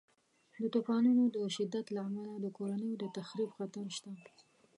د طوفانونو د شدت له امله د کورنیو د تخریب خطر شته.